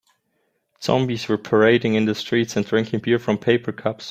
Zombies were parading in the streets and drinking beer from paper cups.